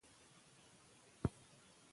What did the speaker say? په نثر کي ګرامري او منطقي ارتباط ساتل کېږي.